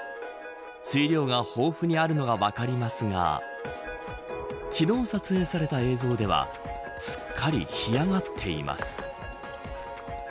水量が豊富にあるのが分かりますが昨日撮影された映像ではすっかり干上がっています。